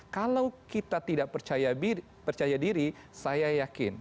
kalau kita tidak percaya diri saya yakin